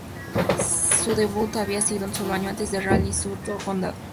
Su debut había sido solo un año antes en el Rally Sur do Condado.